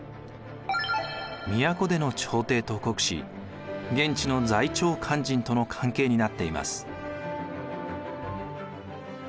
都での朝廷と国司現地の在庁官人との関係になっています。